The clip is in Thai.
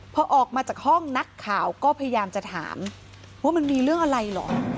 พอออกมาจากห้องนักข่าวก็พยายามจะถามว่ามันมีเรื่องอะไรเหรอ